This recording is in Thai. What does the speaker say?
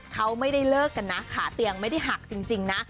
เขาไม่ได้เลิกกันนะขาเตียงไม่ได้หักจริงนะ